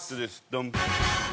ドン。